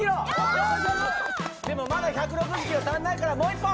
でもまだ１６０キロに足りないからもう一本！